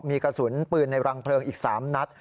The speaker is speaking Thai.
มีกระสุนปืนในรังเพลิงอีก๓นัด